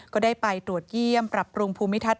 ก็ได้ไปตรวจเยี่ยมปรับปรุงภูมิทัศน